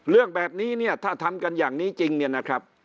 เรื่องแบบนี้เนี่ยถ้าทำกันอย่างนี้จริงเนี่ยนะครับ